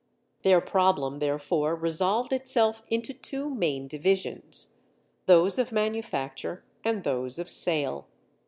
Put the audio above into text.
Their problem, therefore, resolved itself into two main divisions—those of manufacture and those of sale.